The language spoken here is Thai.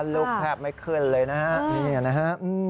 ลูกแทบไม่ขึ้นเลยนะฮะนี่นะฮะ